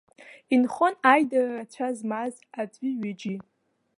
Инхон аидара рацәа змаз аӡәи-ҩыџьеи.